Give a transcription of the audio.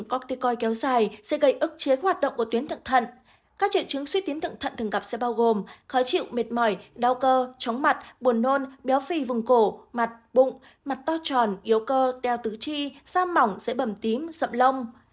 các triệu chứng suy tín thận thận thường gặp sẽ bao gồm khó chịu mệt mỏi đau cơ chóng mặt buồn nôn béo phì vùng cổ mặt bụng mặt to tròn yếu cơ teo tứ chi da mỏng dễ bầm tím dậm lông